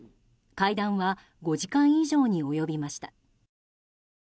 会談は５時間以上に及びました。